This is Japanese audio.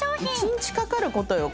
１日かかる事よ